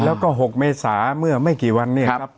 แล้วก็๖เมษาเมื่อไม่กี่วันเนี่ยครับ